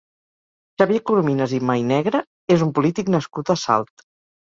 Xavier Corominas i Mainegre és un polític nascut a Salt.